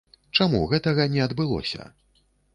Чаму гэтага не адбылося?